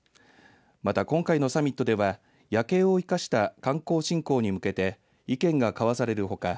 また今回のサミットでは夜景を生かした観光振興に向けて意見が交わされるほか